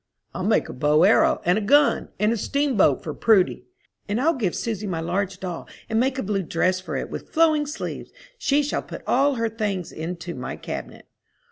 "I'll make a bow arrow, and a gun, and a steamboat for Prudy." "And I'll give Susy my large doll, and make a blue dress for it, with flowing sleeves. She shall put all her things into my cabinet."